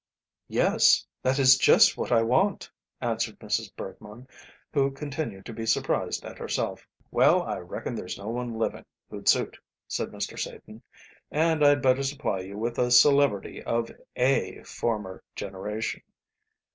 "Yes, that is just what I want," answered Mrs. Bergmann, who continued to be surprised at herself. "Well, I reckon there's no one living who'd suit," said Mr. Satan, "and I'd better supply you with a celebrity of a former generation."